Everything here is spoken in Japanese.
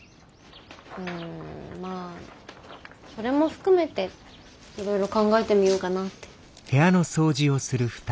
うんまあそれも含めていろいろ考えてみようかなって。